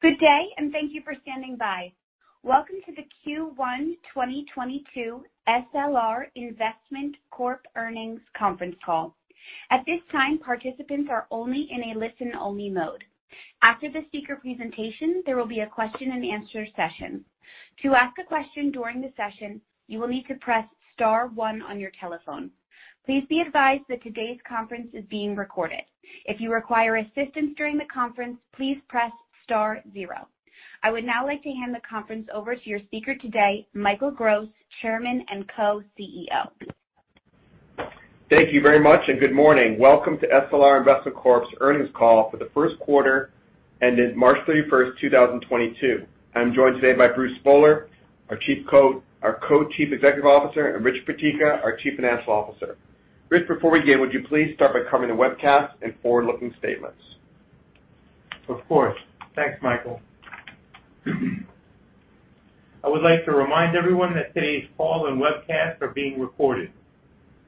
Good day, thank you for standing by. Welcome to the Q1 2022 SLR Investment Corp. earnings conference call. At this time, participants are only in a listen only mode. After the speaker presentation, there will be a question-and-answer session. To ask a question during the session, you will need to press star one on your telephone. Please be advised that today's conference is being recorded. If you require assistance during the conference, please press star zero. I would now like to hand the conference over to your speaker today, Michael Gross, Chairman and Co-CEO. Thank you very much, and good morning. Welcome to SLR Investment Corp's earnings call for the first quarter ended March 31, 2022. I'm joined today by Bruce Spohler, our Co-Chief Executive Officer, and Richard Peteka, our Chief Financial Officer. Rich, before we begin, would you please start by covering the webcast and forward-looking statements? Of course. Thanks, Michael. I would like to remind everyone that today's call and webcast are being recorded.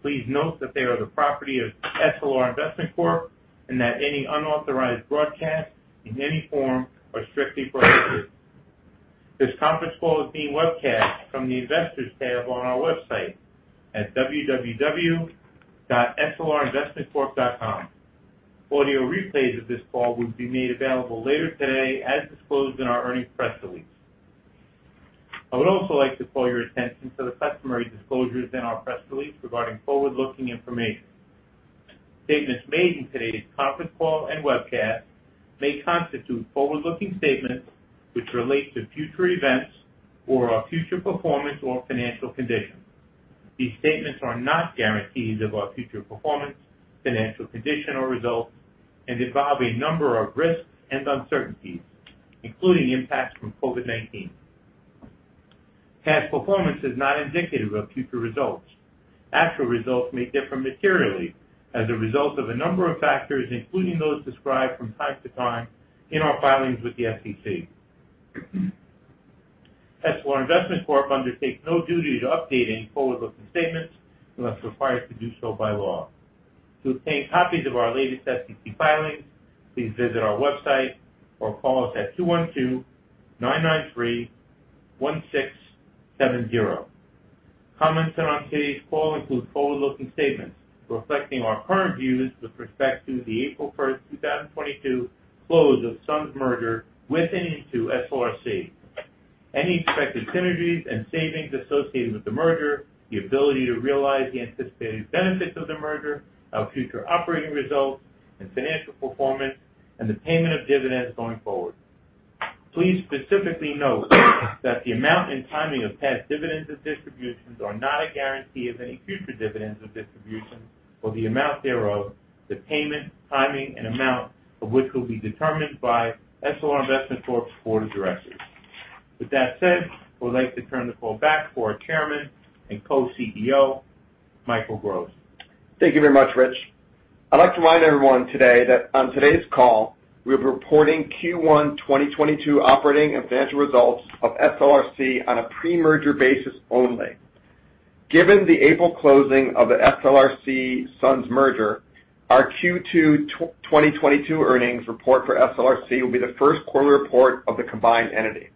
Please note that they are the property of SLR Investment Corp., and that any unauthorized broadcasts in any form are strictly prohibited. This conference call is being webcast from the Investors tab on our website at www.slrinvestmentcorp.com. Audio replays of this call will be made available later today as disclosed in our earnings press release. I would also like to call your attention to the customary disclosures in our press release regarding forward-looking information. Statements made in today's conference call and webcast may constitute forward-looking statements which relate to future events or our future performance or financial condition. These statements are not guarantees of our future performance, financial condition, or results, and involve a number of risks and uncertainties, including impacts from COVID-19. Past performance is not indicative of future results. Actual results may differ materially as a result of a number of factors, including those described from time to time in our filings with the SEC. SLR Investment Corp. undertakes no duty to updating forward-looking statements unless required to do so by law. To obtain copies of our latest SEC filings, please visit our website or call us at 212-993-1670. Comments on today's call include forward-looking statements reflecting our current views with respect to the April 1, 2022 close of SUNS merger with and into SLRC. Any expected synergies and savings associated with the merger, the ability to realize the anticipated benefits of the merger, our future operating results and financial performance, and the payment of dividends going forward. Please specifically note that the amount and timing of past dividends and distributions are not a guarantee of any future dividends and distributions or the amount thereof, the payment, timing, and amount of which will be determined by SLR Investment Corp.'s Board of Directors. With that said, I would like to turn the call back to our chairman and co-CEO, Michael Gross. Thank you very much, Rich. I'd like to remind everyone today that on today's call, we're reporting Q1 2022 operating and financial results of SLRC on a pre-merger basis only. Given the April closing of the SLRC SUNS merger, our Q2 2022 earnings report for SLRC will be the first quarterly report of the combined entity.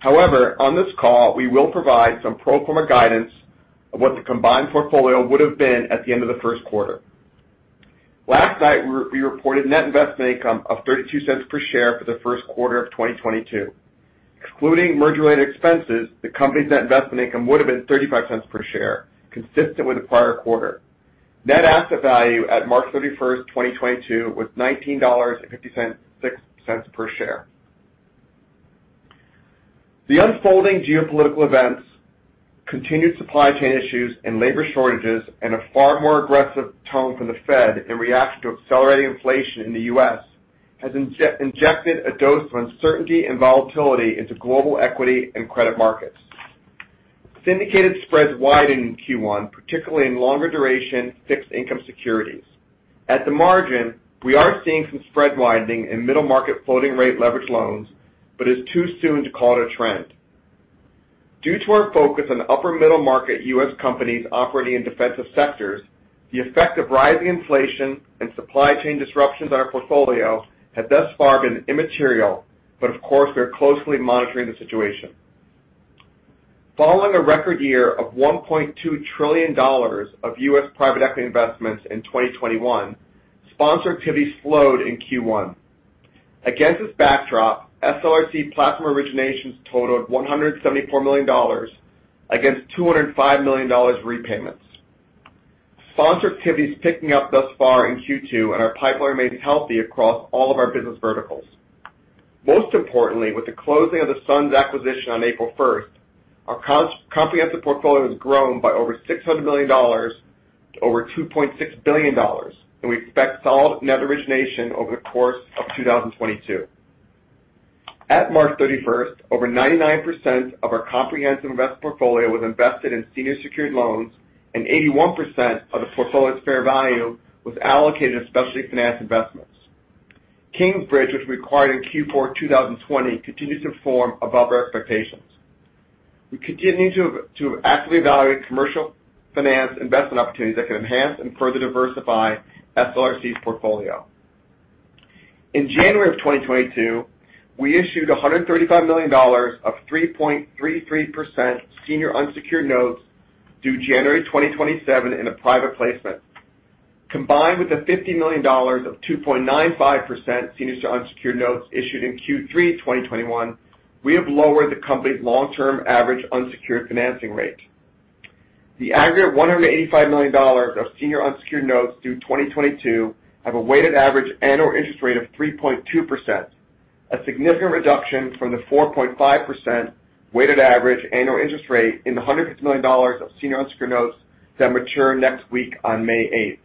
However, on this call, we will provide some pro forma guidance of what the combined portfolio would have been at the end of the first quarter. Last night, we reported net investment income of $0.32 per share for the first quarter of 2022. Excluding merger-related expenses, the company's net investment income would have been $0.35 per share, consistent with the prior quarter. Net asset value at March 31, 2022 was $19.56 per share. The unfolding geopolitical events, continued supply chain issues and labor shortages, and a far more aggressive tone from the Fed in reaction to accelerating inflation in the U.S. has injected a dose of uncertainty and volatility into global equity and credit markets. Syndicated spreads widened in Q1, particularly in longer duration fixed income securities. At the margin, we are seeing some spread widening in middle market floating rate leveraged loans, but it's too soon to call it a trend. Due to our focus on upper middle market U.S. companies operating in defensive sectors, the effect of rising inflation and supply chain disruptions on our portfolio have thus far been immaterial, but of course, we are closely monitoring the situation. Following a record year of $1.2 trillion of U.S. private equity investments in 2021, sponsor activity slowed in Q1. Against this backdrop, SLRC platform originations totaled $174 million against $205 million repayments. Sponsor activity is picking up thus far in Q2, and our pipeline remains healthy across all of our business verticals. Most importantly, with the closing of the SUNS acquisition on April 1, our comprehensive investment portfolio has grown by over $600 million to over $2.6 billion, and we expect solid net origination over the course of 2022. At March 31, over 99% of our comprehensive investment portfolio was invested in senior secured loans, and 81% of the portfolio's fair value was allocated to specialty finance investments. Kingsbridge, which we acquired in Q4 2020, continues to perform above our expectations. We continue to actively evaluate commercial finance investment opportunities that can enhance and further diversify SLRC's portfolio. In January 2022, we issued $135 million of 3.33% senior unsecured notes due January 2027 in a private placement. Combined with the $50 million of 2.95% senior unsecured notes issued in Q3 2021, we have lowered the company's long-term average unsecured financing rate. The aggregate $185 million of senior unsecured notes due 2022 have a weighted average annual interest rate of 3.2%, a significant reduction from the 4.5% weighted average annual interest rate in the $150 million of senior unsecured notes that mature next week on May 8.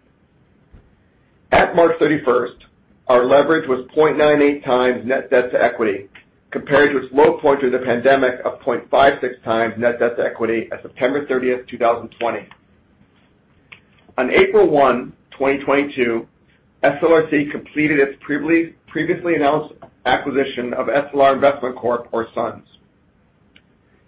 At March thirty-first, our leverage was 0.98 times net debt to equity, compared to its low point through the pandemic of 0.56x net debt to equity at September thirtieth, 2020. On April one, 2022, SLRC completed its previously announced acquisition of SLR Investment Corp, or SUNS.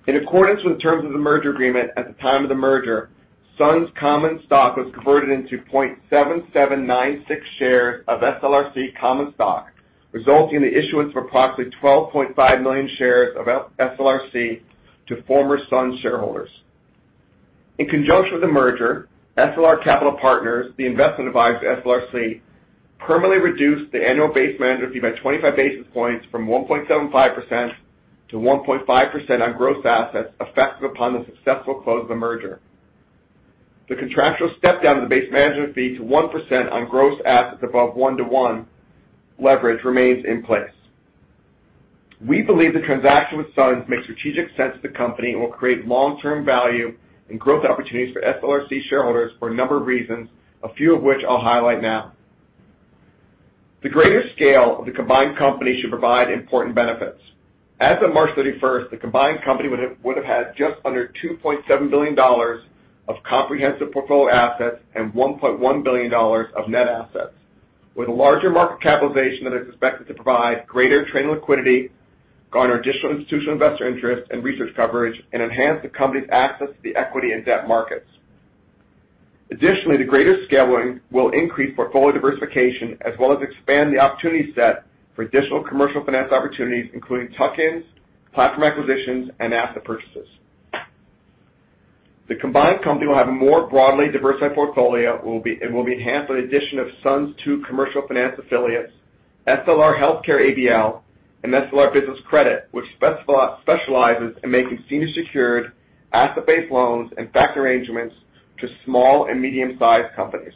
In accordance with the terms of the merger agreement at the time of the merger, SUNS common stock was converted into 0.7796 shares of SLRC common stock, resulting in the issuance of approximately 12.5 million shares of SLRC to former SUN shareholders. In conjunction with the merger, SLR Capital Partners, the investment advisor to SLRC, permanently reduced the annual base management fee by 25 basis points from 1.75% to 1.5% on gross assets effective upon the successful close of the merger. The contractual step down to the base management fee to 1% on gross assets above 1-to-1 leverage remains in place. We believe the transaction with SUNS makes strategic sense to the company and will create long-term value and growth opportunities for SLRC shareholders for a number of reasons, a few of which I'll highlight now. The greater scale of the combined company should provide important benefits. As of March 31, the combined company would have had just under $2.7 billion of comprehensive portfolio assets and $1.1 billion of net assets, with a larger market capitalization that is expected to provide greater trading liquidity, garner additional institutional investor interest and research coverage, and enhance the company's access to the equity and debt markets. Additionally, the greater scaling will increase portfolio diversification as well as expand the opportunity set for additional commercial finance opportunities, including tuck-ins, platform acquisitions, and asset purchases. The combined company will have a more broadly diversified portfolio and will be enhanced by the addition of SUNS' two commercial finance affiliates, SLR Healthcare ABL, and SLR Business Credit, which specializes in making senior secured asset-based loans and factor arrangements to small and medium-sized companies.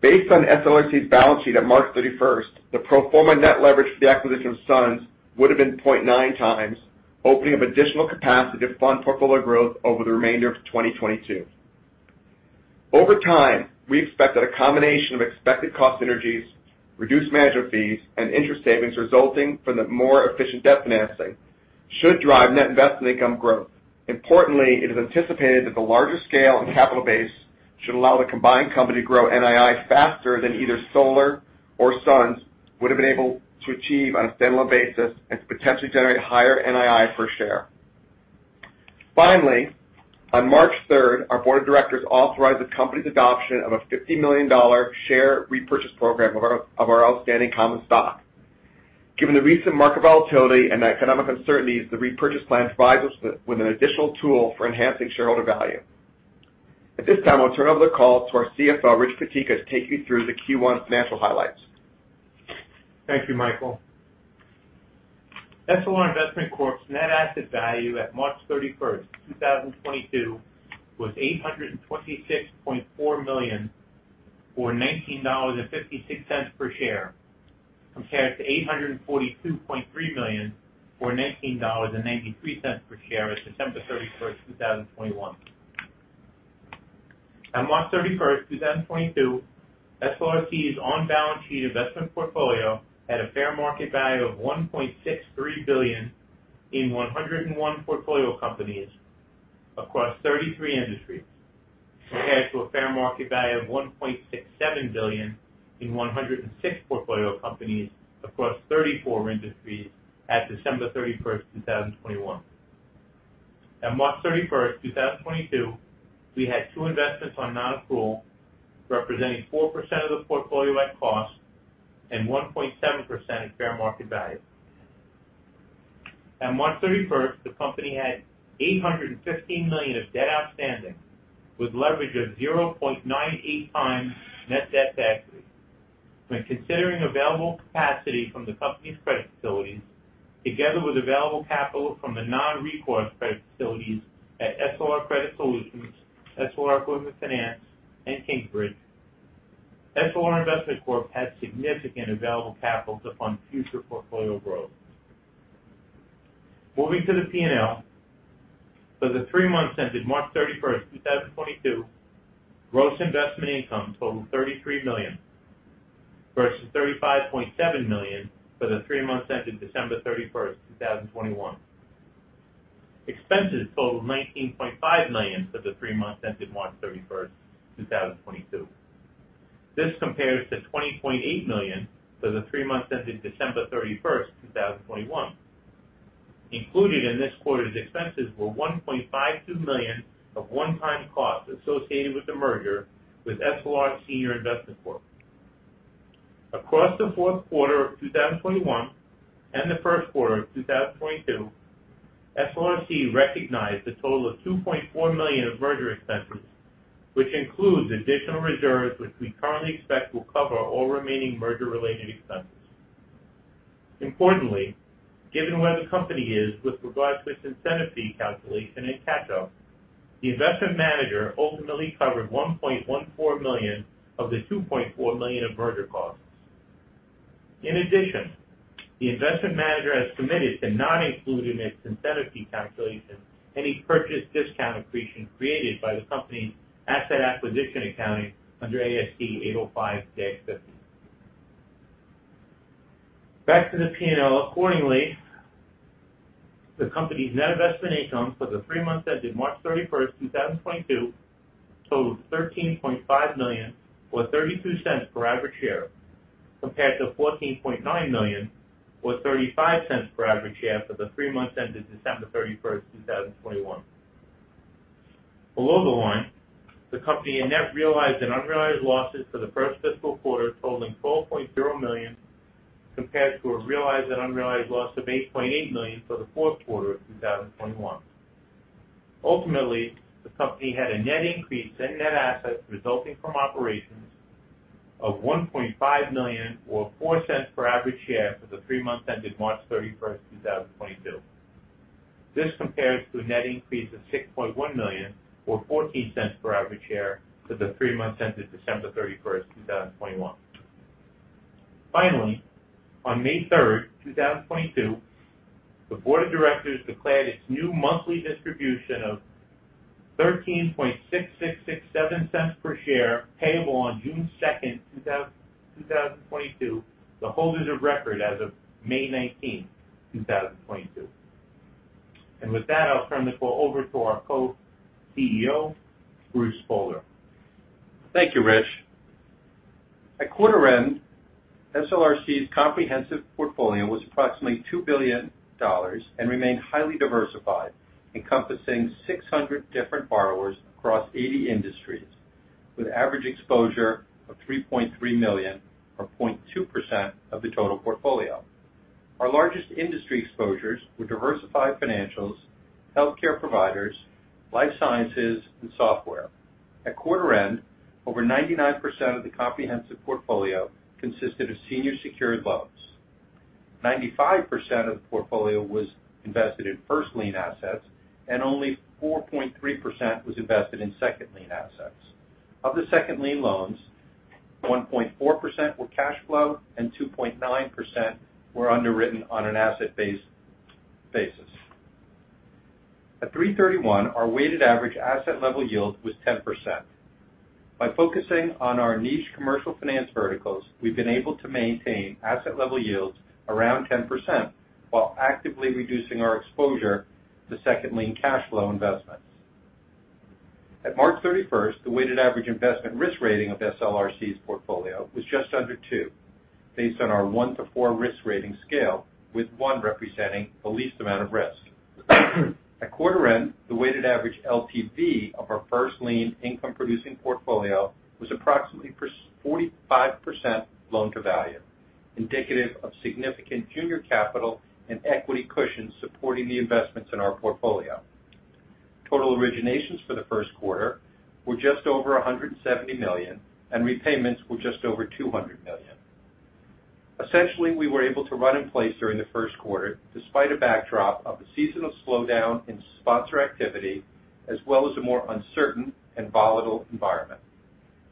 Based on SLRC's balance sheet at March 31, the pro forma net leverage for the acquisition of SUNS would have been 0.9x, opening up additional capacity to fund portfolio growth over the remainder of 2022. Over time, we expect that a combination of expected cost synergies, reduced management fees, and interest savings resulting from the more efficient debt financing should drive net investment income growth. Importantly, it is anticipated that the larger scale and capital base should allow the combined company to grow NII faster than either SLR or SUNS would have been able to achieve on a standalone basis and to potentially generate higher NII per share. Finally, on March 3, our Board of Directors authorized the company's adoption of a $50 million share repurchase program of our outstanding common stock. Given the recent market volatility and the economic uncertainties, the repurchase plan provides us with an additional tool for enhancing shareholder value. At this time, I'll turn over the call to our CFO, Rich Peteka, to take you through the Q1 financial highlights. Thank you, Michael. SLR Investment Corp.'s net asset value at March 31, 2022 was $826.4 million, or $19.56 per share, compared to $842.3 million or $19.93 per share as of December 31, 2021. On March 31st, 2022, SLRC's on-balance sheet investment portfolio had a fair market value of $1.63 billion in 101 portfolio companies across 33 industries, compared to a fair market value of $1.67 billion in 106 portfolio companies across 34 industries at December 31, 2021. At March 31, 2022, we had two investments on non-accrual, representing 4% of the portfolio at cost and 1.7% at fair market value. At March 31, the company had $815 million of debt outstanding with leverage of 0.98x net debt to equity. When considering available capacity from the company's credit facilities, together with available capital from the non-recourse credit facilities at SLR Credit Solutions, SLR Equipment Finance and Kingsbridge, SLR Investment Corp has significant available capital to fund future portfolio growth. Moving to the P&L. For the three months ended March 31, 2022, gross investment income totaled $33 million versus $35.7 million for the three months ended December 31, 2021. Expenses totaled $19.5 million for the three months ended March 31, 2022. This compares to $20.8 million for the three months ending December 31, 2021. Included in this quarter's expenses were $1.52 million of one-time costs associated with the merger with SLR Senior Investment Corp. Across the fourth quarter of 2021 and the first quarter of 2022, SLRC recognized a total of $2.4 million of merger expenses, which includes additional reserves, which we currently expect will cover all remaining merger-related expenses. Importantly, given where the company is with regards to its incentive fee calculation and catch-up, the investment manager ultimately covered $1.14 million of the $2.4 million of merger costs. In addition, the investment manager has committed to not include in its incentive fee calculation any purchase discount accretion created by the company's asset acquisition accounting under ASC 805-50. Back to the P&L. Accordingly, the company's net investment income for the three months ending March 31, 2022 totaled $13.5 million or $0.32 per average share, compared to $14.9 million or $0.35 per average share for the three months ending December 31, 2021. Below the line, the company incurred net realized and unrealized losses for the first fiscal quarter totaling $12.0 million, compared to a realized and unrealized loss of $8.8 million for the fourth quarter of 2021. Ultimately, the company had a net increase in net assets resulting from operations of $1.5 million or $0.04 per average share for the three months ending March 31, 2022. This compares to a net increase of $6.1 million or $0.14 per average share for the three months ending December 31, 2021. Finally, on May 3, 2022, the Board of Directors declared its new monthly distribution of $0.136667 per share payable on June 2, 2022, to holders of record as of May 19, 2022. With that, I'll turn the call over to our co-CEO, Bruce Spohler. Thank you, Rich. At quarter end, SLRC's comprehensive portfolio was approximately $2 billion and remained highly diversified, encompassing 600 different borrowers across 80 industries with average exposure of $3.3 million or 0.2% of the total portfolio. Our largest industry exposures were diversified financials, healthcare providers, life sciences, and software. At quarter end, over 99% of the comprehensive portfolio consisted of senior secured loans. 95% of the portfolio was invested in first-lien assets, and only 4.3% was invested in second-lien assets. Of the second lien loans, 1.4% were cash flow and 2.9% were underwritten on an asset-based basis. At 3/31, our weighted average asset level yield was 10%. By focusing on our niche commercial finance verticals, we've been able to maintain asset level yields around 10% while actively reducing our exposure to second lien cash flow investments. At March 31, the weighted average investment risk rating of SLRC's portfolio was just under two, based on our 1-4 risk rating scale, with one representing the least amount of risk. At quarter end, the weighted average LTV of our first lien income producing portfolio was approximately 45% loan to value, indicative of significant junior capital and equity cushions supporting the investments in our portfolio. Total originations for the first quarter were just over $170 million, and repayments were just over $200 million. Essentially, we were able to run in place during the first quarter despite a backdrop of a seasonal slowdown in sponsor activity, as well as a more uncertain and volatile environment.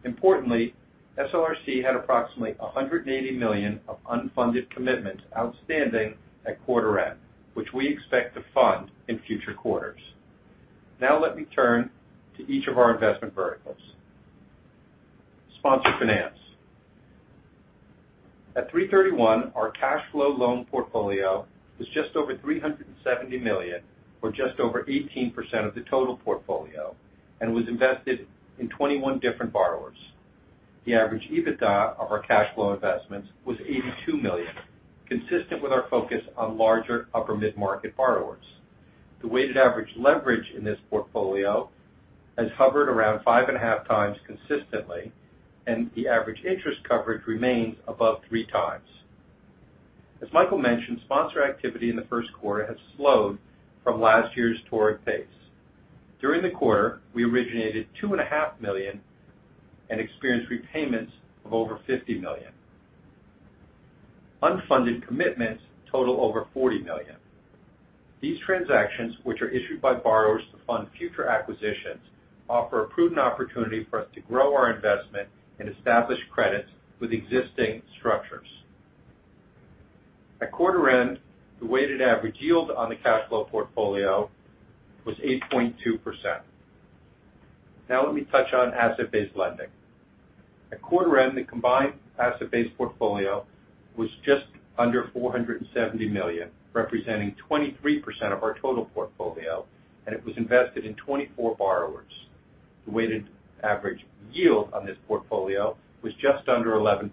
Importantly, SLRC had approximately $180 million of unfunded commitments outstanding at quarter end, which we expect to fund in future quarters. Now let me turn to each of our investment verticals. Sponsor finance. At 3/31, our cash flow loan portfolio was just over $370 million, or just over 18% of the total portfolio, and was invested in 21 different borrowers. The average EBITDA of our cash flow investments was $82 million, consistent with our focus on larger upper mid-market borrowers. The weighted average leverage in this portfolio has hovered around 5.5x consistently, and the average interest coverage remains above 3x. As Michael mentioned, sponsor activity in the first quarter has slowed from last year's torrid pace. During the quarter, we originated $2.5 million and experienced repayments of over $50 million. Unfunded commitments total over $40 million. These transactions, which are issued by borrowers to fund future acquisitions, offer a prudent opportunity for us to grow our investment and establish credits with existing structures. At quarter end, the weighted average yield on the cash flow portfolio was 8.2%. Now let me touch on asset-based lending. At quarter end, the combined asset-based portfolio was just under $470 million, representing 23% of our total portfolio, and it was invested in 24 borrowers. The weighted average yield on this portfolio was just under 11%.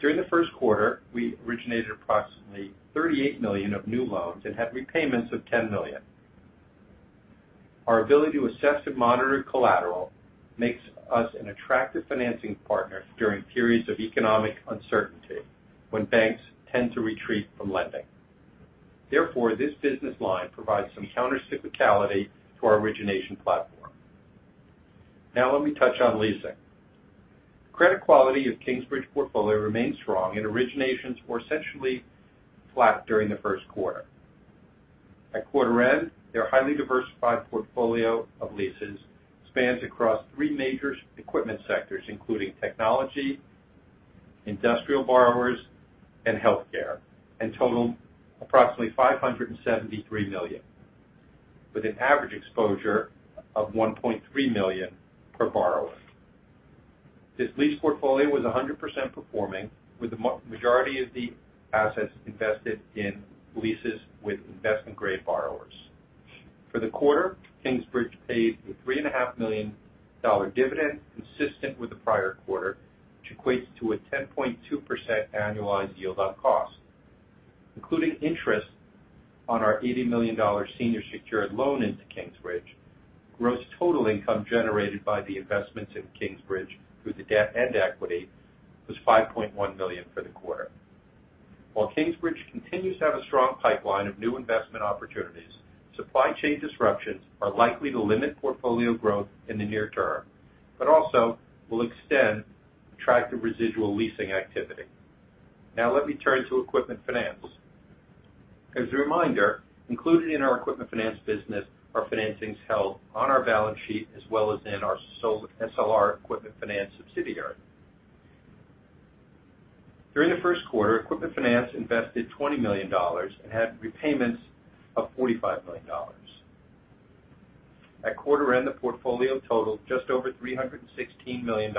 During the first quarter, we originated approximately $38 million of new loans and had repayments of $10 million. Our ability to assess and monitor collateral makes us an attractive financing partner during periods of economic uncertainty when banks tend to retreat from lending. Therefore, this business line provides some counter-cyclicality to our origination platform. Now let me touch on leasing. Credit quality of Kingsbridge portfolio remains strong, and originations were essentially flat during the first quarter. At quarter end, their highly diversified portfolio of leases spans across three major equipment sectors, including technology, industrial borrowers, and healthcare, and total approximately $573 million with an average exposure of $1.3 million per borrower. This lease portfolio was 100% performing, with the majority of the assets invested in leases with investment-grade borrowers. For the quarter, Kingsbridge paid a $3.5 million dividend consistent with the prior quarter, which equates to a 10.2% annualized yield on cost. Including interest on our $80 million senior secured loan into Kingsbridge, gross total income generated by the investments in Kingsbridge through the debt and equity was $5.1 million for the quarter. While Kingsbridge continues to have a strong pipeline of new investment opportunities, supply chain disruptions are likely to limit portfolio growth in the near term, but also will extend attractive residual leasing activity. Now let me turn to Equipment Finance. As a reminder, included in our Equipment Finance business are financings held on our balance sheet as well as in our SLR Equipment Finance subsidiary. During the first quarter, Equipment Finance invested $20 million and had repayments of $45 million. At quarter end, the portfolio totaled just over $316 million.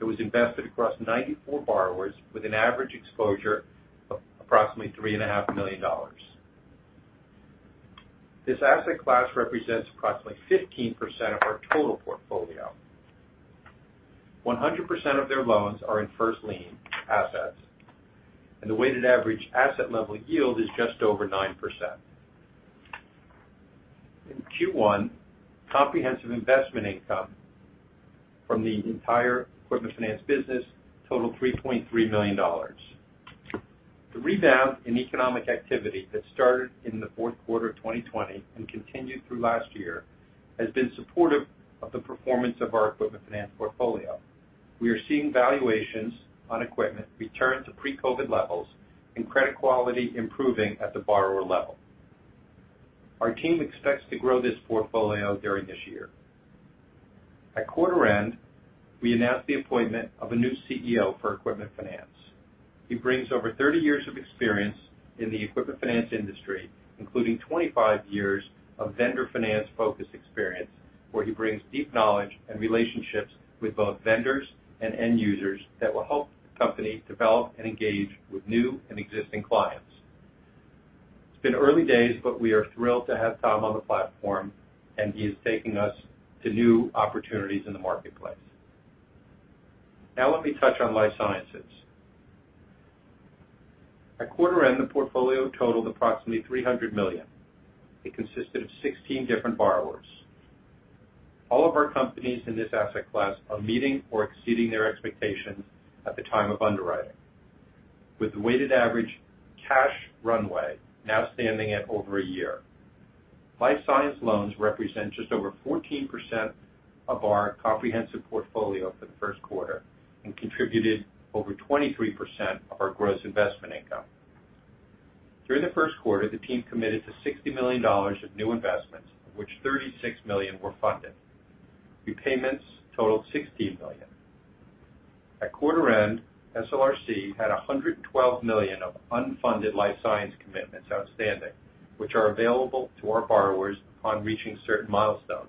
It was invested across 94 borrowers with an average exposure of approximately $3.5 million. This asset class represents approximately 15% of our total portfolio. 100% of their loans are in first lien assets, and the weighted average asset level yield is just over 9%. In Q1, comprehensive investment income from the entire Equipment Finance business totaled $3.3 million. The rebound in economic activity that started in the fourth quarter of 2020 and continued through last year has been supportive of the performance of our Equipment Finance portfolio. We are seeing valuations on equipment return to pre-COVID levels and credit quality improving at the borrower level. Our team expects to grow this portfolio during this year. At quarter end, we announced the appointment of a new CEO for Equipment Finance. He brings over 30 years of experience in the equipment finance industry, including 25 years of vendor finance-focused experience, where he brings deep knowledge and relationships with both vendors and end users that will help the company develop and engage with new and existing clients. It's been early days, but we are thrilled to have Tom on the platform, and he is taking us to new opportunities in the marketplace. Now let me touch on life sciences. At quarter end, the portfolio totaled approximately $300 million. It consisted of 16 different borrowers. All of our companies in this asset class are meeting or exceeding their expectations at the time of underwriting. With the weighted average cash runway now standing at over a year. Life science loans represent just over 14% of our comprehensive portfolio for the first quarter and contributed over 23% of our gross investment income. During the first quarter, the team committed to $60 million of new investments, of which $36 million were funded. Repayments totaled $16 million. At quarter end, SLRC had $112 million of unfunded life science commitments outstanding, which are available to our borrowers upon reaching certain milestones.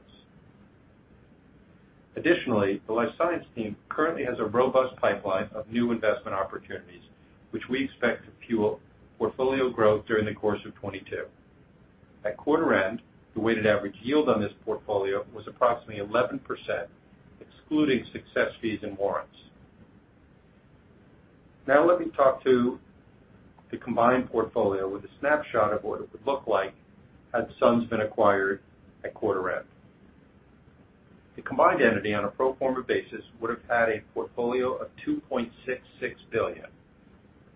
Additionally, the life science team currently has a robust pipeline of new investment opportunities, which we expect to fuel portfolio growth during the course of 2022. At quarter end, the weighted average yield on this portfolio was approximately 11%, excluding success fees and warrants. Now let me talk to the combined portfolio with a snapshot of what it would look like had SUNS been acquired at quarter end. The combined entity on a pro forma basis would have had a portfolio of $2.66 billion,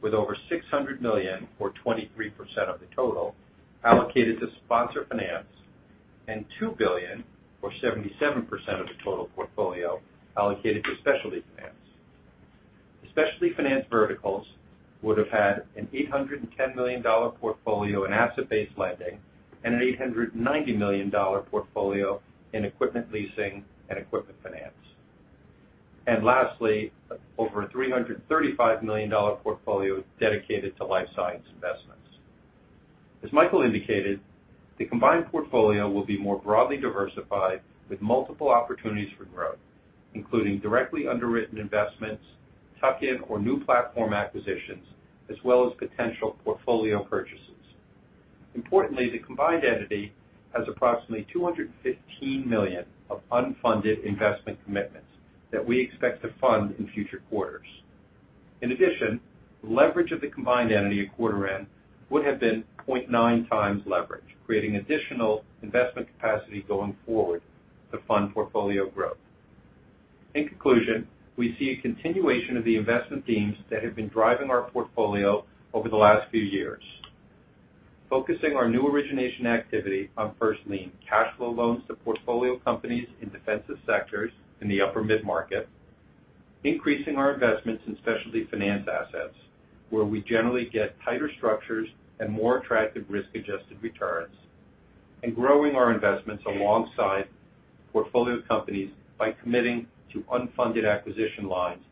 with over $600 million or 23% of the total allocated to sponsor finance and $2 billion or 77% of the total portfolio allocated to specialty finance. Specialty finance verticals would have had an $810 million portfolio in asset-based lending and an $890 million portfolio in equipment leasing and equipment finance. Lastly, over $335 million portfolio dedicated to life science investments. As Michael indicated, the combined portfolio will be more broadly diversified with multiple opportunities for growth, including directly underwritten investments, tuck-in or new platform acquisitions, as well as potential portfolio purchases. Importantly, the combined entity has approximately $215 million of unfunded investment commitments that we expect to fund in future quarters. In addition, leverage of the combined entity at quarter end would have been 0.9x leverage, creating additional investment capacity going forward to fund portfolio growth. In conclusion, we see a continuation of the investment themes that have been driving our portfolio over the last few years. Focusing our new origination activity on first lien cash flow loans to portfolio companies in defensive sectors in the upper mid-market. Increasing our investments in specialty finance assets, where we generally get tighter structures and more attractive risk-adjusted returns. Growing our investments alongside portfolio companies by committing to unfunded acquisition lines,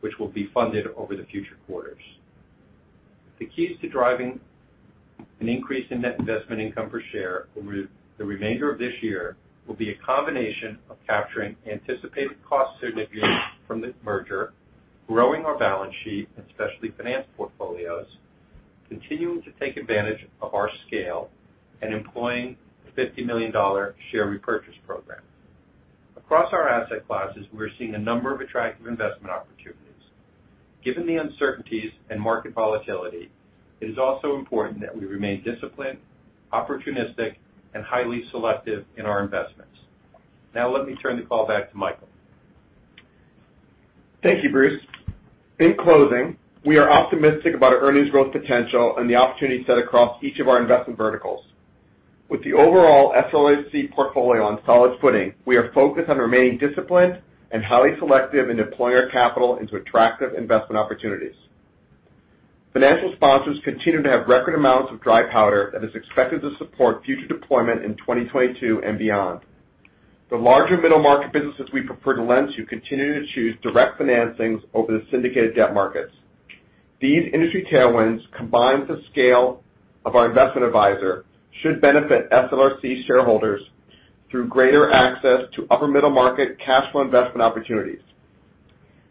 which will be funded over the future quarters. The keys to driving an increase in net investment income per share over the remainder of this year will be a combination of capturing anticipated cost synergies from the merger, growing our balance sheet and specialty finance portfolios, continuing to take advantage of our scale and employing the $50 million share repurchase program. Across our asset classes, we're seeing a number of attractive investment opportunities. Given the uncertainties and market volatility, it is also important that we remain disciplined, opportunistic, and highly selective in our investments. Now let me turn the call back to Michael. Thank you, Bruce. In closing, we are optimistic about our earnings growth potential and the opportunities set across each of our investment verticals. With the overall SLRC portfolio on solid footing, we are focused on remaining disciplined and highly selective in deploying our capital into attractive investment opportunities. Financial sponsors continue to have record amounts of dry powder that is expected to support future deployment in 2022 and beyond. The larger middle-market businesses we prefer to lend to continue to choose direct financings over the syndicated debt markets. These industry tailwinds, combined with the scale of our investment advisor, should benefit SLRC shareholders through greater access to upper middle-market cash flow investment opportunities.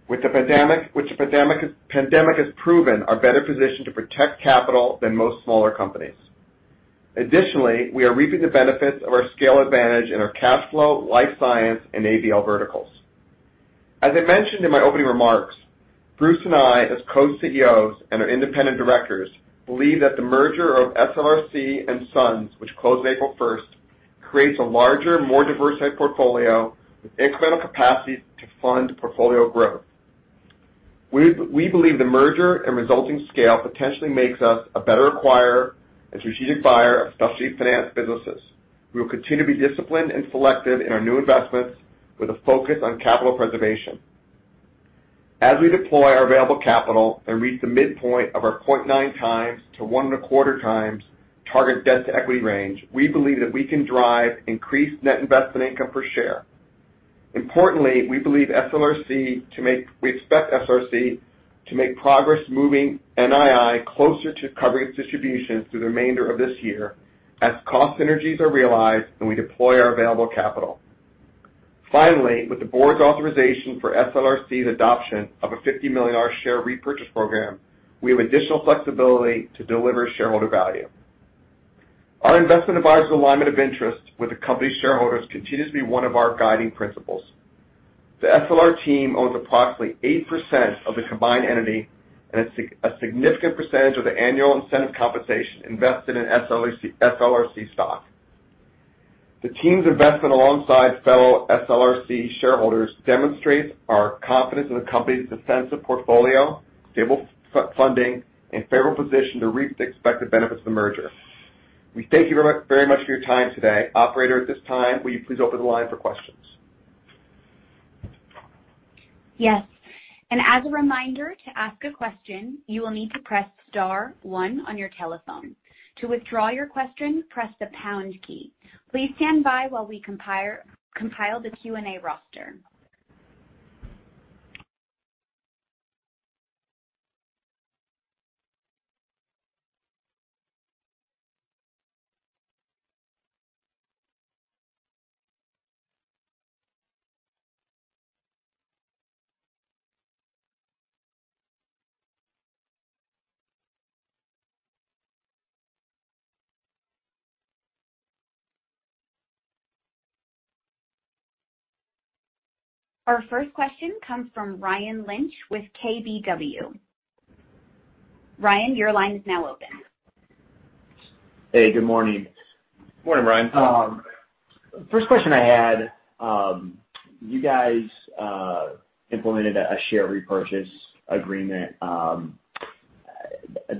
With the pandemic, which the pandemic has proven are better positioned to protect capital than most smaller companies. Additionally, we are reaping the benefits of our scale advantage in our cash flow, life science, and ABL verticals. As I mentioned in my opening remarks, Bruce and I, as co-CEOs and our independent directors, believe that the merger of SLRC and SUNS, which closed April 1, creates a larger, more diversified portfolio with incremental capacity to fund portfolio growth. We believe the merger and resulting scale potentially makes us a better acquirer and strategic buyer of specialty finance businesses. We will continue to be disciplined and selective in our new investments with a focus on capital preservation. As we deploy our available capital and reach the midpoint of our 0.9x-1.25x target debt-to-equity range, we believe that we can drive increased net investment income per share. Importantly, we expect SLRC to make progress moving NII closer to covering its distributions through the remainder of this year as cost synergies are realized and we deploy our available capital. Finally, with the board's authorization for SLRC's adoption of a $50 million share repurchase program, we have additional flexibility to deliver shareholder value. Our investment advisor's alignment of interest with the company's shareholders continues to be one of our guiding principles. The SLR team owns approximately 8% of the combined entity, and a significant percentage of the annual incentive compensation invested in SLRC stock. The team's investment alongside fellow SLRC shareholders demonstrates our confidence in the company's defensive portfolio, stable funding, and favorable position to reap the expected benefits of the merger. We thank you very much for your time today. Operator, at this time, will you please open the line for questions? Yes. As a reminder, to ask a question, you will need to press star one on your telephone. To withdraw your question, press the pound key. Please stand by while we compile the Q&A roster. Our first question comes from Ryan Lynch with KBW. Ryan, your line is now open. Hey, good morning. Morning, Ryan. First question I had, you guys implemented a share repurchase agreement.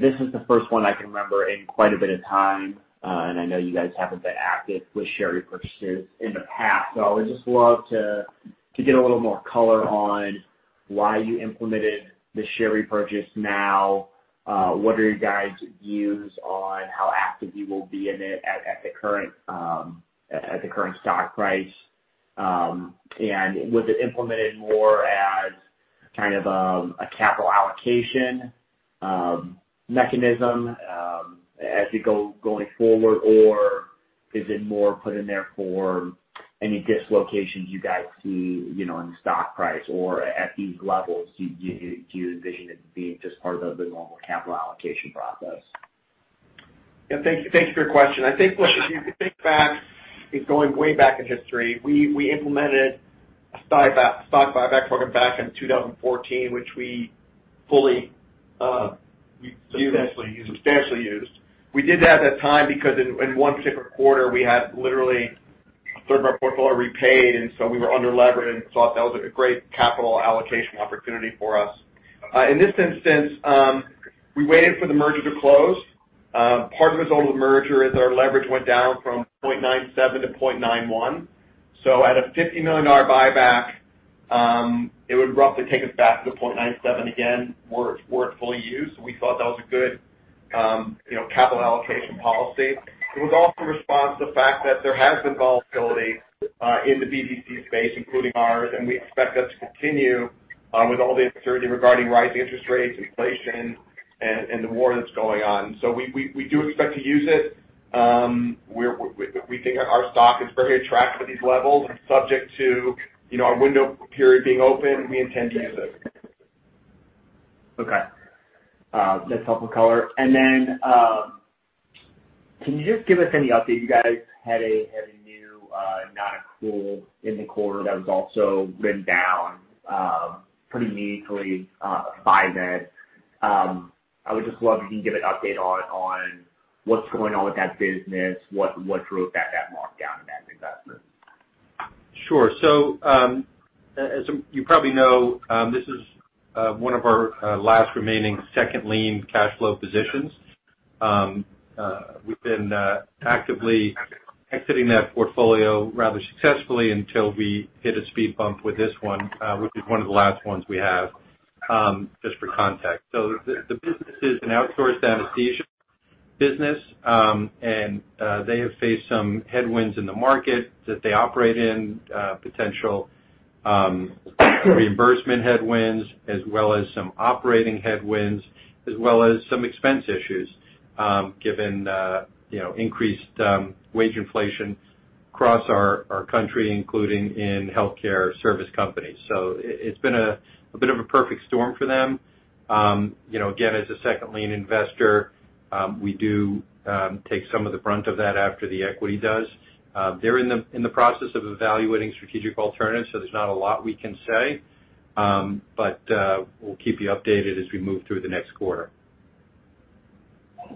This is the first one I can remember in quite a bit of time, and I know you guys haven't been active with share repurchases in the past. I would just love to get a little more color on why you implemented the share repurchase now. What are your guys' views on how active you will be in it at the current stock price? And was it implemented more as kind of a capital allocation mechanism as you go going forward? Or is it more put in there for any dislocations you guys see, you know, in the stock price? Or at these levels, do you envision it being just part of the normal capital allocation process? Yeah. Thank you for your question. I think what, if you think back, is going way back in history, we implemented a stock buyback program back in 2014, which we fully, we- Substantially used. Substantially used. We did that at the time because in one particular quarter, we had literally 1/3 of our portfolio repaid, and so we were underleveraged and thought that was a great capital allocation opportunity for us. In this instance, we waited for the merger to close. Part of the result of the merger is our leverage went down from 0.97x to 0.91x. At a $50 million buyback, it would roughly take us back to 0.97 again were it fully used. We thought that was a good, you know, capital allocation policy. It was also a response to the fact that there has been volatility in the BDC space, including ours, and we expect that to continue with all the uncertainty regarding rising interest rates, inflation, and the war that's going on. We do expect to use it. We think our stock is very attractive at these levels and subject to, you know, our window period being open, we intend to use it. Okay. That's helpful color. Can you just give us any update? You guys had a new non-accrual in the quarter that was also written down pretty meaningfully by then. I would just love if you can give an update on what's going on with that business, what drove that markdown in that investment. Sure. As you probably know, this is one of our last remaining second lien cash flow positions. We've been actively exiting that portfolio rather successfully until we hit a speed bump with this one, which is one of the last ones we have, just for context. The business is an outsourced anesthesia business, and they have faced some headwinds in the market that they operate in, potential reimbursement headwinds, as well as some operating headwinds, as well as some expense issues, given you know, increased wage inflation across our country, including in healthcare service companies. It's been a bit of a perfect storm for them. You know, again, as a second lien investor, we do take some of the brunt of that after the equity does. They're in the process of evaluating strategic alternatives, so there's not a lot we can say. We'll keep you updated as we move through the next quarter.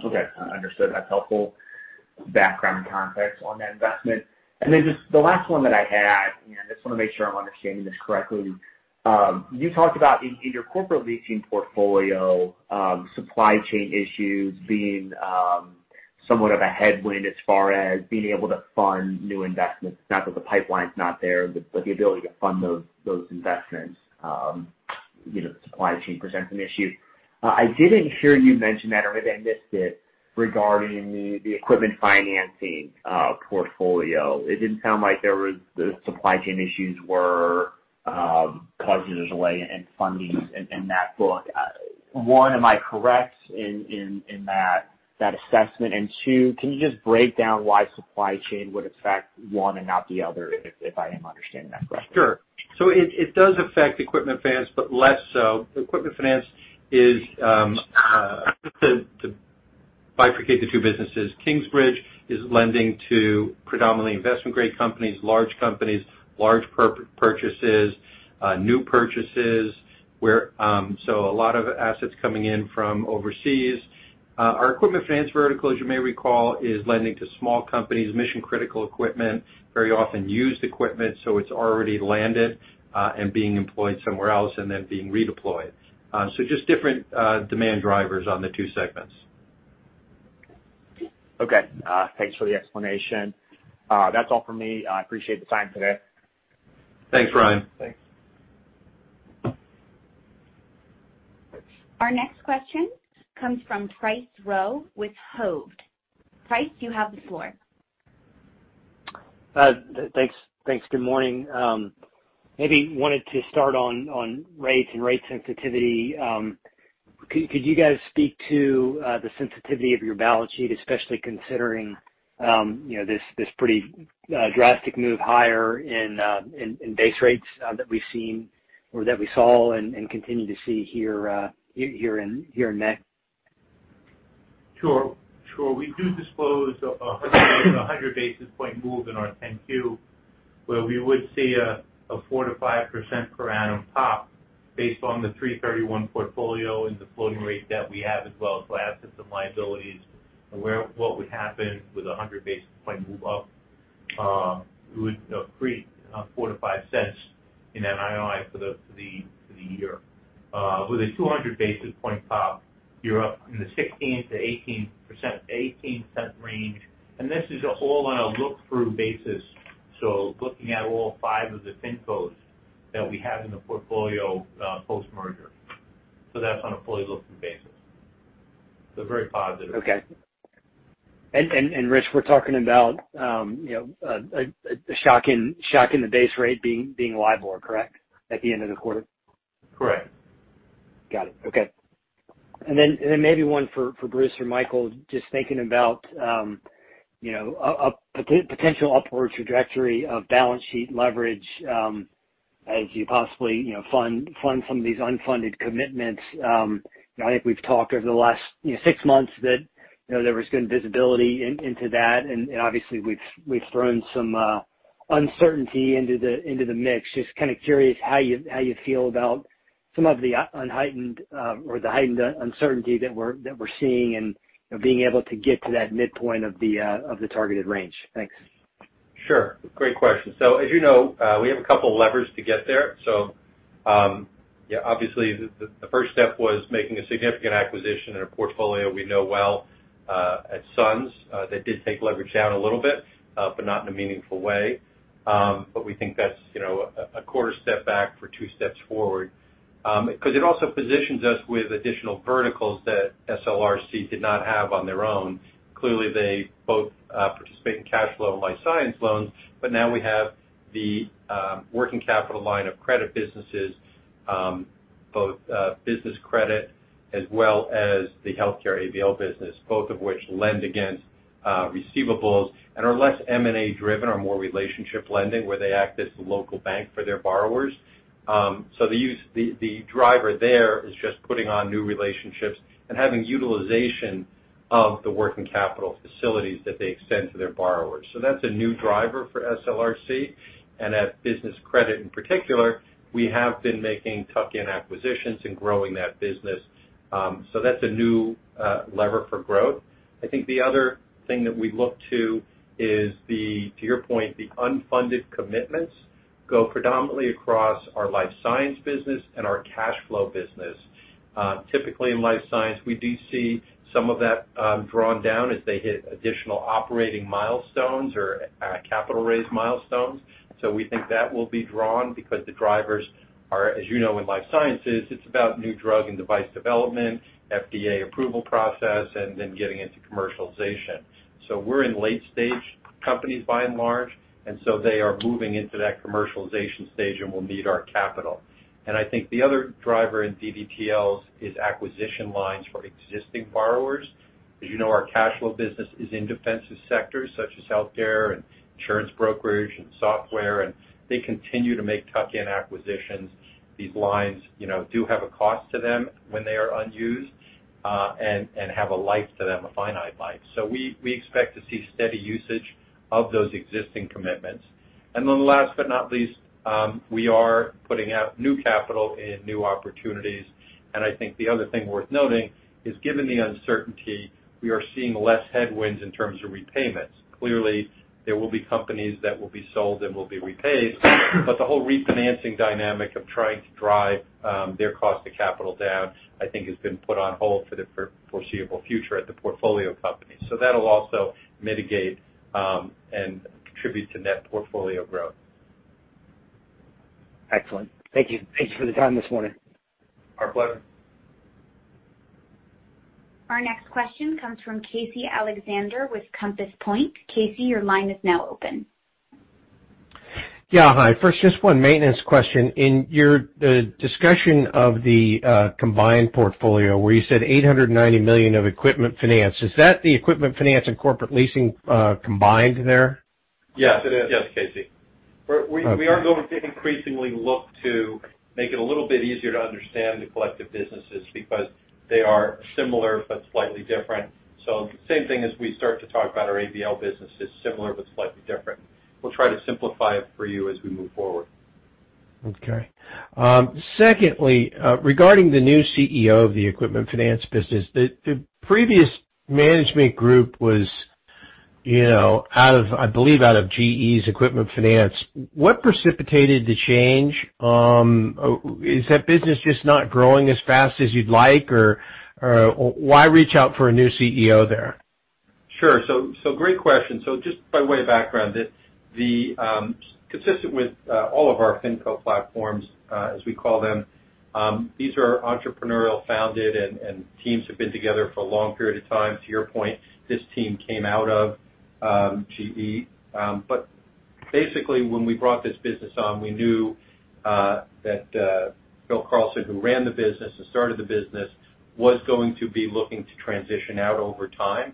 Okay. Understood. That's helpful background context on that investment. Just the last one that I had, and I just wanna make sure I'm understanding this correctly. You talked about in your corporate leasing portfolio, supply chain issues being somewhat of a headwind as far as being able to fund new investments. Not that the pipeline's not there, but the ability to fund those investments, you know, supply chain presents an issue. I didn't hear you mention that, or if I missed it, regarding the equipment financing portfolio. It didn't sound like there was the supply chain issues were causing a delay in fundings in that book. One, am I correct in that assessment? Two, can you just break down why supply chain would affect one and not the other, if I am understanding that correctly? Sure. It does affect equipment finance, but less so. Equipment finance is to bifurcate the two businesses. Kingsbridge is lending to predominantly investment-grade companies, large companies, large purchases, new purchases, where so a lot of assets coming in from overseas. Our equipment finance vertical, as you may recall, is lending to small companies, mission-critical equipment, very often used equipment, so it's already landed and being employed somewhere else and then being redeployed. Just different demand drivers on the two segments. Okay. Thanks for the explanation. That's all for me. I appreciate the time today. Thanks, Ryan. Thanks. Our next question comes from Bryce Rowe with Hovde. Bryce, you have the floor. Thanks. Good morning. Maybe wanted to start on rates and rate sensitivity. Could you guys speak to the sensitivity of your balance sheet, especially considering you know this pretty drastic move higher in base rates that we've seen or that we saw and continue to see here in May? Sure. We do disclose a 100 basis point move in our 10-Q, where we would see a 4%-5% per annum pop based on the 3/31 portfolio and the floating rate that we have as well as liabilities. What would happen with a 100 basis point move up, it would create $0.04-$0.05 in NII for the year. With a 200 basis point pop, you're up in the 16%-18%, $0.18 range. This is all on a look-through basis, so looking at all five of the FINCOs that we have in the portfolio, post-merger. That's on a fully look-through basis. Very positive. Okay. Rich, we're talking about a shock in the base rate being LIBOR, correct? At the end of the quarter. Correct. Got it. Okay. Maybe one for Bruce or Michael, just thinking about, you know, a potential upward trajectory of balance sheet leverage, as you possibly, you know, fund some of these unfunded commitments. You know, I think we've talked over the last, you know, six months that, you know, there was good visibility into that. Obviously we've thrown some uncertainty into the mix. Just kinda curious how you feel about some of the heightened uncertainty that we're seeing and, you know, being able to get to that midpoint of the targeted range. Thanks. Sure. Great question. As you know, we have a couple levers to get there. Yeah, obviously the first step was making a significant acquisition in a portfolio we know well, at SUNS. That did take leverage down a little bit, but not in a meaningful way. We think that's, you know, a quarter step back for two steps forward. 'Cause it also positions us with additional verticals that SLRC did not have on their own. Clearly, they both participate in cash flow and life science loans, but now we have the working capital line of credit businesses, both business credit as well as the healthcare ABL business, both of which lend against receivables and are less M&A driven or more relationship lending where they act as the local bank for their borrowers. The driver there is just putting on new relationships and having utilization of the working capital facilities that they extend to their borrowers. That's a new driver for SLRC. At Business Credit in particular, we have been making tuck-in acquisitions and growing that business. That's a new lever for growth. I think the other thing that we look to is, to your point, the unfunded commitments go predominantly across our life science business and our cash flow business. Typically in life science, we do see some of that drawn down as they hit additional operating milestones or capital raise milestones. We think that will be drawn because the drivers are, as you know, in life sciences, it's about new drug and device development, FDA approval process, and then getting into commercialization. We're in late stage companies by and large, and so they are moving into that commercialization stage and will need our capital. I think the other driver in DDTLs is acquisition lines for existing borrowers. As you know, our cash flow business is in defensive sectors such as healthcare and insurance brokerage and software, and they continue to make tuck-in acquisitions. These lines, you know, do have a cost to them when they are unused, and have a life to them, a finite life. We expect to see steady usage of those existing commitments. Then last but not least, we are putting out new capital in new opportunities. I think the other thing worth noting is, given the uncertainty, we are seeing less headwinds in terms of repayments. Clearly, there will be companies that will be sold and will be repaid. The whole refinancing dynamic of trying to drive their cost of capital down, I think has been put on hold for the foreseeable future at the portfolio company. That'll also mitigate and contribute to net portfolio growth. Excellent. Thank you. Thanks for the time this morning. Our pleasure. Our next question comes from Casey Alexander with Compass Point. Casey, your line is now open. Yeah. Hi. First, just one maintenance question. In your discussion of the combined portfolio where you said $890 million of equipment finance, is that the equipment finance and corporate leasing combined there? Yes, it is. Yes, Casey. Okay. We are going to increasingly look to make it a little bit easier to understand the collective businesses because they are similar but slightly different. Same thing as we start to talk about our ABL business, it's similar but slightly different. We'll try to simplify it for you as we move forward. Okay. Secondly, regarding the new CEO of the equipment finance business, the previous management group was, you know, out of, I believe out of GE's equipment finance. What precipitated the change? Is that business just not growing as fast as you'd like or why reach out for a new CEO there? Sure. Great question. Just by way of background, consistent with all of our FINCO platforms, as we call them, these are entrepreneurial founded and teams have been together for a long period of time. To your point, this team came out of GE. But basically when we brought this business on, we knew that Phil Carlson, who ran the business and started the business, was going to be looking to transition out over time.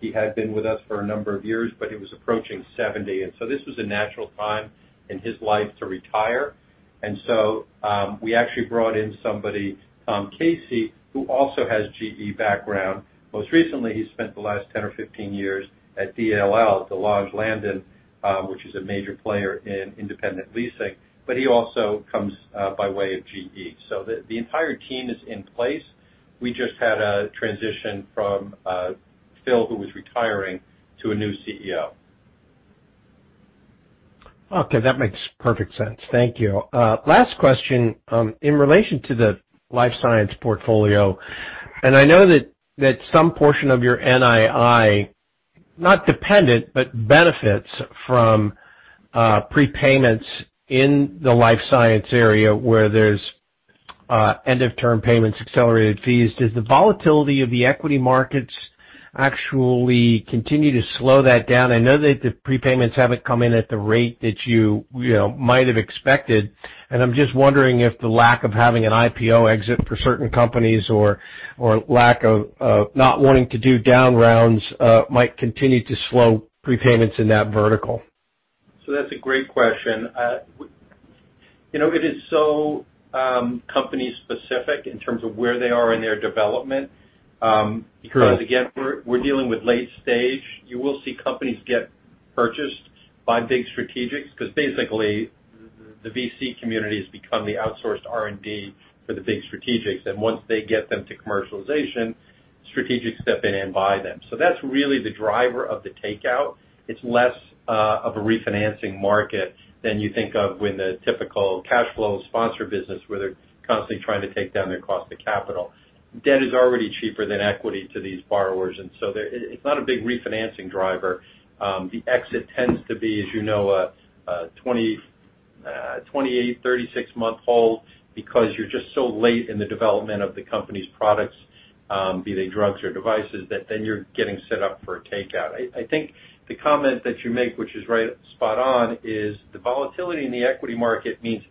He had been with us for a number of years, but he was approaching 70, and so this was a natural time in his life to retire. We actually brought in somebody, Tom Casey, who also has GE background. Most recently, he spent the last 10 or 15 years at DLL, De Lage Landen, which is a major player in independent leasing, but he also comes by way of GE. The entire team is in place. We just had a transition from Phil, who was retiring, to a new CEO. Okay. That makes perfect sense. Thank you. Last question. In relation to the life science portfolio, and I know that some portion of your NII not dependent, but benefits from prepayments in the life science area where there's end-of-term payments, accelerated fees. Does the volatility of the equity markets actually continue to slow that down? I know that the prepayments haven't come in at the rate that you know, might have expected. I'm just wondering if the lack of having an IPO exit for certain companies or lack of not wanting to do down rounds might continue to slow prepayments in that vertical. That's a great question. You know, it is so company specific in terms of where they are in their development. Sure. Because, again, we're dealing with late stage. You will see companies get purchased by big strategics because basically the VC community has become the outsourced R&D for the big strategics. Once they get them to commercialization, strategics step in and buy them. That's really the driver of the takeout. It's less of a refinancing market than you think of when the typical cash flow sponsor business, where they're constantly trying to take down their cost of capital. Debt is already cheaper than equity to these borrowers, and so there. It's not a big refinancing driver. The exit tends to be, as you know, a 28-36 month hold because you're just so late in the development of the company's products, be they drugs or devices, that then you're getting set up for a takeout. I think the comment that you make, which is right spot on, is the volatility in the equity market means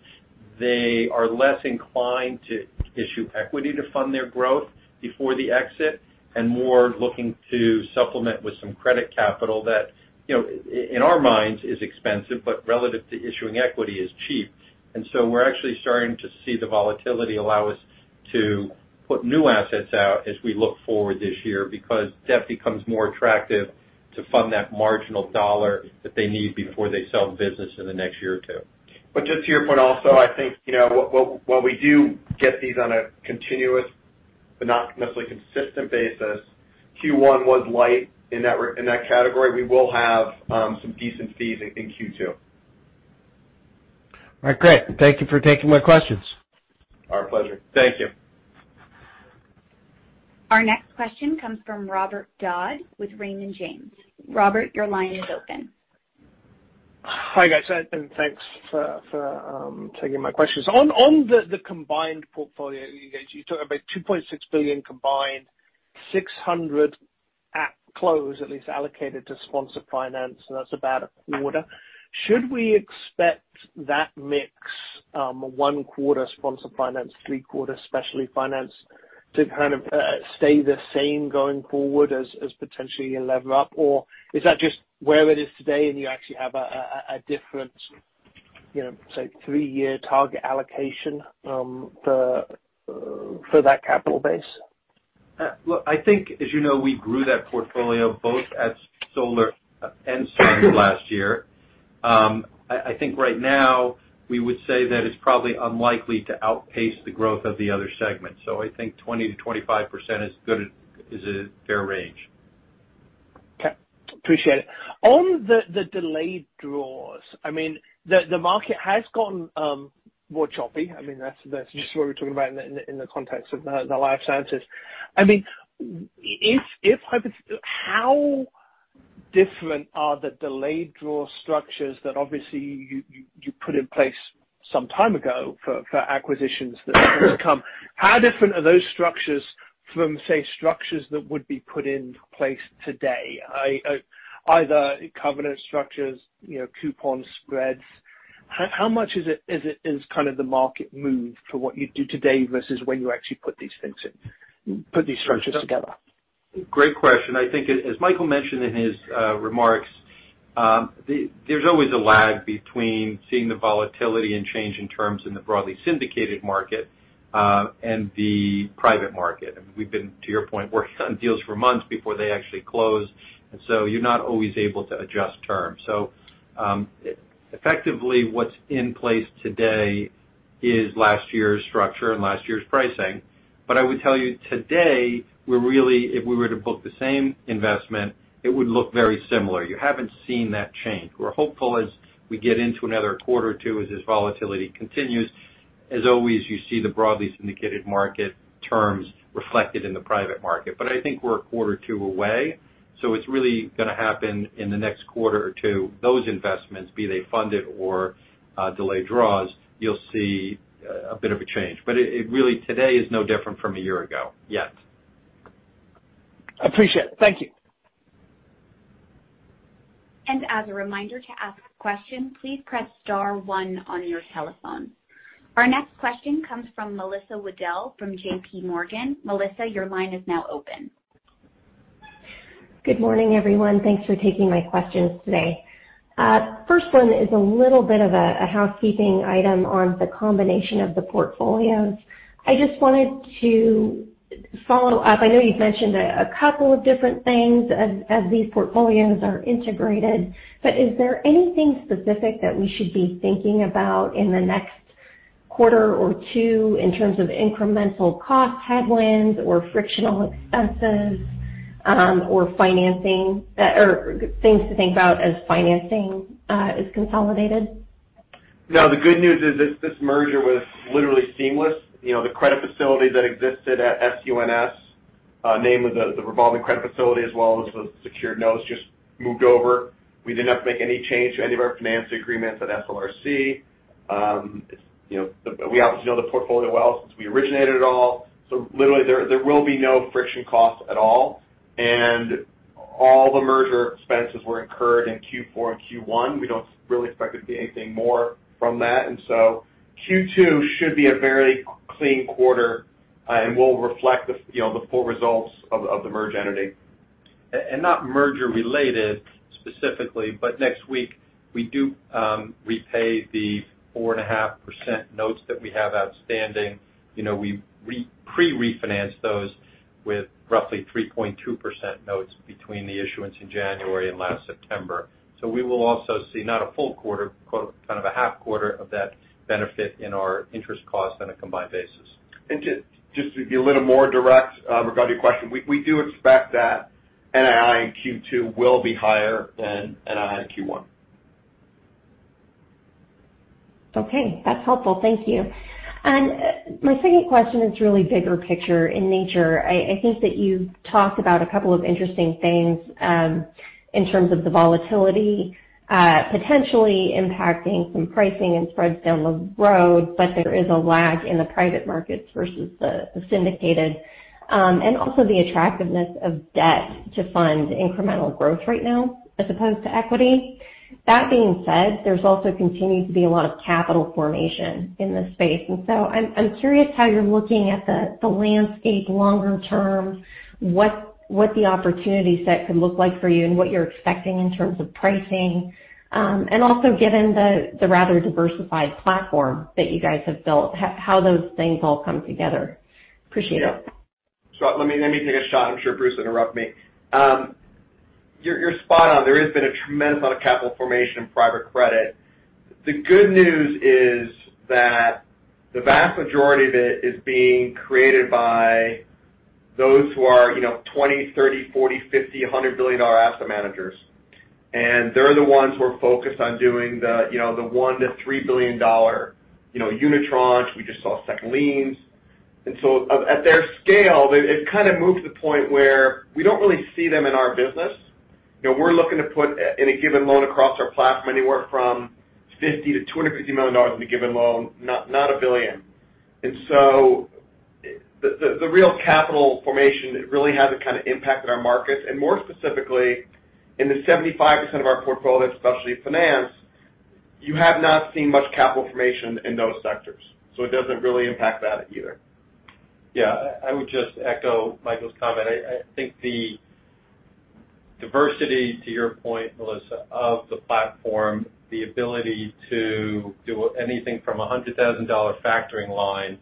they are less inclined to issue equity to fund their growth before the exit and more looking to supplement with some credit capital that, you know, in our minds is expensive, but relative to issuing equity is cheap. We're actually starting to see the volatility allow us to put new assets out as we look forward this year because debt becomes more attractive to fund that marginal dollar that they need before they sell the business in the next year or two. Just to your point also, I think, you know, while we do get these on a continuous but not necessarily consistent basis, Q1 was light in that category. We will have some decent fees in Q2. All right, great. Thank you for taking my questions. Our pleasure. Thank you. Our next question comes from Robert Dodd with Raymond James. Robert, your line is open. Hi, guys, and thanks for taking my questions. On the combined portfolio, you guys, you talked about $2.6 billion combined, $600 million at close, at least allocated to sponsor finance, and that's about a quarter. Should we expect that mix, one quarter sponsor finance, three quarters specialty finance to kind of stay the same going forward as potentially you lever up? Or is that just where it is today and you actually have a different, you know, say, three-year target allocation for that capital base? Look, I think, as you know, we grew that portfolio both at solar and storage last year. I think right now we would say that it's probably unlikely to outpace the growth of the other segments. I think 20%-25% is good, a fair range. Okay. Appreciate it. On the delayed draws, I mean, the market has gotten more choppy. I mean, that's just what we're talking about in the context of the life sciences. I mean, how different are the delayed draw structures that obviously you put in place some time ago for acquisitions that have come? How different are those structures from, say, structures that would be put in place today, either covenant structures, you know, coupon spreads? How much is it, is it kind of the market move for what you do today versus when you actually put these things in, put these structures together? Great question. I think as Michael mentioned in his remarks, there's always a lag between seeing the volatility and change in terms in the broadly syndicated market, and the private market. I mean, to your point, we've been working on deals for months before they actually close, and you're not always able to adjust terms. Effectively what's in place today is last year's structure and last year's pricing. I would tell you today, we're really, if we were to book the same investment, it would look very similar. You haven't seen that change. We're hopeful as we get into another quarter or two, as this volatility continues, as always, you see the broadly syndicated market terms reflected in the private market. I think we're a quarter or two away, so it's really gonna happen in the next quarter or two. Those investments, be they funded or delayed draws, you'll see a bit of a change. It really today is no different from a year ago yet. Appreciate it. Thank you. As a reminder to ask questions, please press star one on your telephone. Our next question comes from Melissa Wedel from JPMorgan. Melissa, your line is now open. Good morning, everyone. Thanks for taking my questions today. First one is a little bit of a housekeeping item on the combination of the portfolios. I just wanted to follow up. I know you've mentioned a couple of different things as these portfolios are integrated. Is there anything specific that we should be thinking about in the next quarter or two in terms of incremental cost headwinds or frictional expenses, or things to think about as financing is consolidated? No, the good news is this merger was literally seamless. You know, the credit facility that existed at SUNS, the revolving credit facility as well as the secured notes just moved over. We did not make any change to any of our finance agreements at SLRC. You know, we obviously know the portfolio well since we originated it all. Literally there will be no friction costs at all. All the merger expenses were incurred in Q4 and Q1. We don't really expect there to be anything more from that. Q2 should be a very clean quarter and will reflect the, you know, the full results of the merged entity. Not merger related specifically, but next week we do repay the 4.5% notes that we have outstanding. You know, we pre-refinance those with roughly 3.2% notes between the issuance in January and last September. We will also see not a full quarter, kind of a half quarter of that benefit in our interest cost on a combined basis. Just to be a little more direct, regarding your question, we do expect that NII in Q2 will be higher than NII in Q1. Okay. That's helpful. Thank you. My second question is really bigger picture in nature. I think that you've talked about a couple of interesting things in terms of the volatility potentially impacting some pricing and spreads down the road, but there is a lag in the private markets versus the syndicated. Also the attractiveness of debt to fund incremental growth right now as opposed to equity. That being said, there's also continued to be a lot of capital formation in this space. I'm curious how you're looking at the landscape longer term, what the opportunity set could look like for you and what you're expecting in terms of pricing. Also given the rather diversified platform that you guys have built, how those things all come together. Appreciate it. Let me take a shot. I'm sure Bruce will interrupt me. You're spot on. There has been a tremendous amount of capital formation in private credit. The good news is that the vast majority of it is being created by those who are, you know, 20, 30, 40, 50, $100 billion asset managers. They're the ones who are focused on doing the, you know, the $1 billion-$3 billion, you know, unitranche. We just saw second liens. At their scale, they, it's kind of moved to the point where we don't really see them in our business. You know, we're looking to put any given loan across our platform anywhere from $50 million-$250 million in a given loan, not a billion. The real capital formation, it really hasn't kinda impacted our markets. More specifically, in the 75% of our portfolio that's specialty finance, you have not seen much capital formation in those sectors. It doesn't really impact that either. Yeah. I would just echo Michael's comment. I think the diversity, to your point, Melissa, of the platform, the ability to do anything from a $100,000 factoring line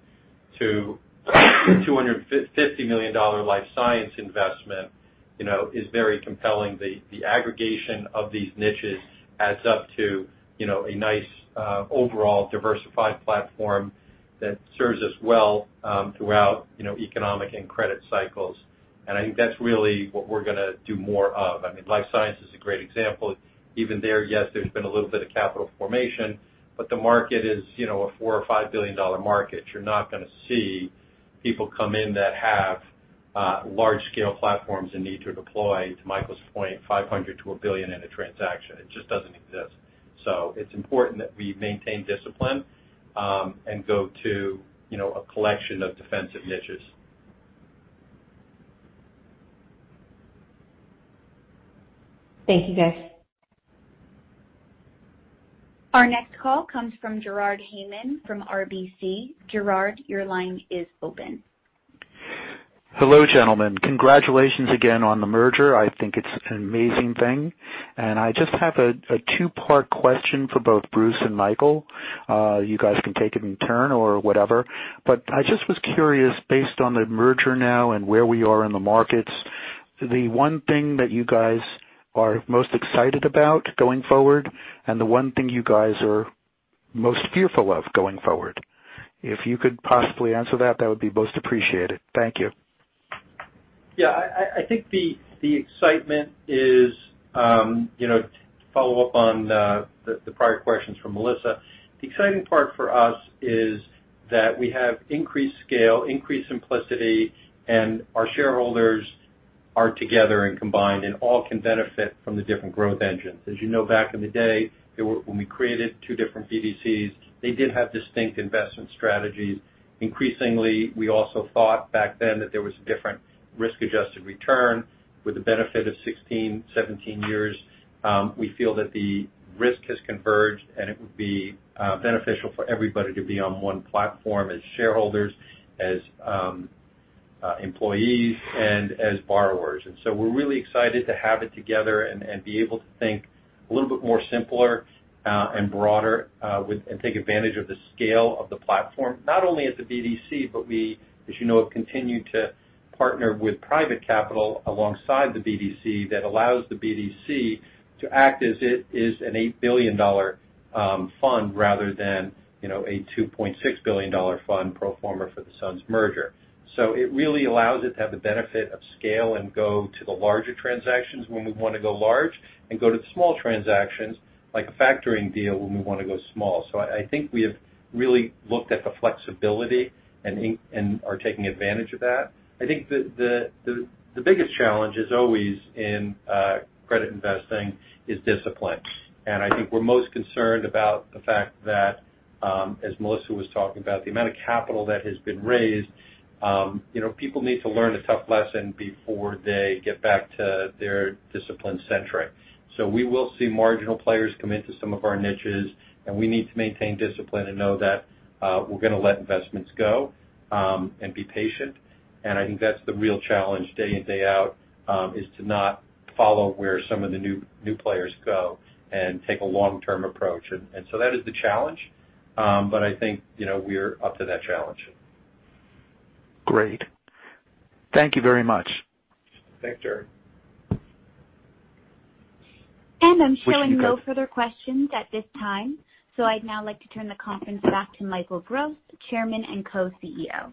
to a $250 million life science investment, you know, is very compelling. The aggregation of these niches adds up to, you know, a nice overall diversified platform that serves us well throughout, you know, economic and credit cycles. I think that's really what we're gonna do more of. I mean, life science is a great example. Even there, yes, there's been a little bit of capital formation, but the market is, you know, a $4 billion-$5 billion market. You're not gonna see people come in that have large scale platforms and need to deploy, to Michael's point, $500 million-$1 billion in a transaction. It just doesn't exist. It's important that we maintain discipline, and go to, you know, a collection of defensive niches. Thank you, guys. Our next call comes from Gerard Heymann from RBC. Gerard, your line is open. Hello, gentlemen. Congratulations again on the merger. I think it's an amazing thing. I just have a two-part question for both Bruce and Michael. You guys can take it in turn or whatever. I just was curious, based on the merger now and where we are in the markets, the one thing that you guys are most excited about going forward and the one thing you guys are most fearful of going forward. If you could possibly answer that would be most appreciated. Thank you. Yeah. I think the excitement is, you know, to follow up on the prior questions from Melissa. The exciting part for us is that we have increased scale, increased simplicity, and our shareholders are together and combined, and all can benefit from the different growth engines. As you know, back in the day, when we created two different BDCs, they did have distinct investment strategies. Increasingly, we also thought back then that there was a different risk-adjusted return. With the benefit of 16, 17 years, we feel that the risk has converged and it would be beneficial for everybody to be on one platform as shareholders, as employees, and as borrowers. We're really excited to have it together and be able to think a little bit more simpler and broader with and take advantage of the scale of the platform, not only at the BDC, but we, as you know, have continued to partner with private capital alongside the BDC that allows the BDC to act as it is an $8 billion fund rather than, you know, a $2.6 billion fund pro forma for the SUNS merger. It really allows it to have the benefit of scale and go to the larger transactions when we wanna go large and go to the small transactions, like a factoring deal, when we wanna go small. I think we have really looked at the flexibility and are taking advantage of that. I think the biggest challenge is always in credit investing is discipline. I think we're most concerned about the fact that, as Melissa was talking about, the amount of capital that has been raised, you know, people need to learn a tough lesson before they get back to their discipline centric. We will see marginal players come into some of our niches, and we need to maintain discipline and know that, we're gonna let investments go, and be patient. I think that's the real challenge day in, day out, is to not follow where some of the new players go and take a long-term approach. That is the challenge, but I think, you know, we're up to that challenge. Great. Thank you very much. Thanks, Gerard. I'm showing no further questions at this time, so I'd now like to turn the conference back to Michael Gross, Chairman and Co-CEO.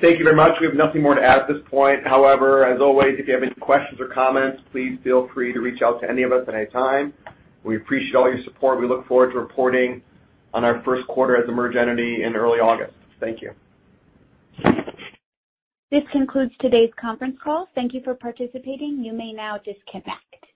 Thank you very much. We have nothing more to add at this point. However, as always, if you have any questions or comments, please feel free to reach out to any of us at any time. We appreciate all your support. We look forward to reporting on our first quarter as a merged entity in early August. Thank you. This concludes today's conference call. Thank you for participating. You may now disconnect.